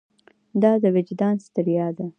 دا د وجدان ستړیا ده.